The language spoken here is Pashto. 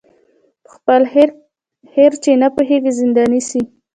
په خپل خیر چي نه پوهیږي زنداني سي